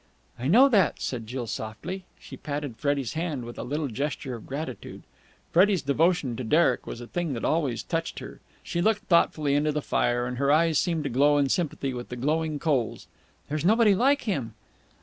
"I know that," said Jill softly. She patted Freddie's hand with a little gesture of gratitude. Freddie's devotion to Derek was a thing that always touched her. She looked thoughtfully into the fire, and her eyes seemed to glow in sympathy with the glowing coals. "There's nobody like him!"